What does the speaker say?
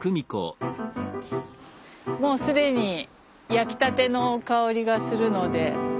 もう既に焼きたての香りがするので。